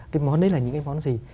cái món đấy là những cái món gì